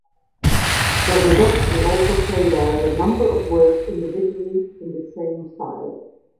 Zabludovsky also carried out a number of works individually in the same style.